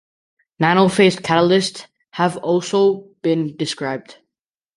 Nanophase catalysts have also been described.